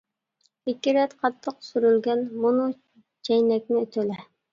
ئىككى رەت قاتتىق سۈرۈلگەن مۇنۇ جەينەكنى تۆلە!